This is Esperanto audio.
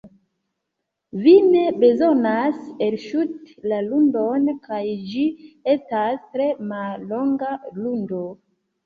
Vi ne bezonas elŝuti la ludon kaj ĝi estas tre mallonga ludo.